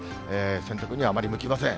洗濯にはあまり向きません。